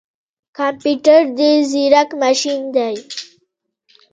کمپيوټر ډیر ځیرک ماشین دی